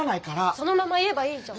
そのまま言えばいいじゃん！